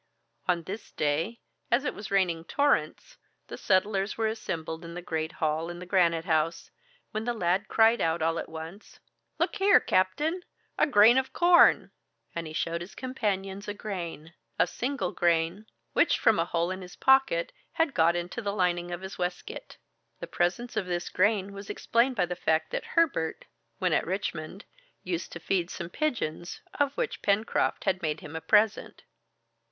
On this day, as it was raining in torrents, the settlers were assembled in the great hall in Granite House, when the lad cried out all at once, "Look here, captain A grain of corn!" And he showed his companions a grain a single grain which from a hole in his pocket had got into the lining of his waistcoat. The presence of this grain was explained by the fact that Herbert, when at Richmond, used to feed some pigeons, of which Pencroft had made him a present.